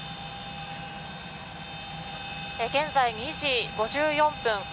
現在、２時５４分。